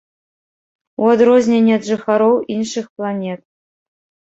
У адрозненні ад жыхароў іншых планет.